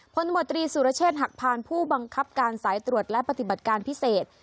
มตรีสุรเชษฐหักพานผู้บังคับการสายตรวจและปฏิบัติการพิเศษ